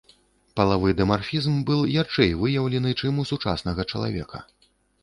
Палавы дымарфізм быў ярчэй выяўлены, чым у сучаснага чалавека.